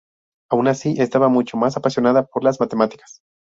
Aun así, estaba mucho más apasionada por las matemáticas.